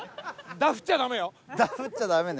ダフっちゃダメね。